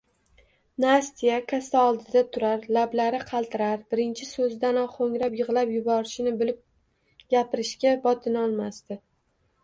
Nastya kassa oldida turar, lablari qaltirar, birinchi soʻzidanoq hoʻngrab yigʻlab yuborishini bilib gapirishga botinolmasdi.